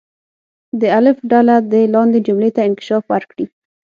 د الف ډله دې لاندې جملې ته انکشاف ورکړي.